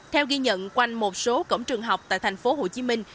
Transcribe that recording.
theo ghi nhận quanh một số cổng trường học tại thành phố hồ chí minh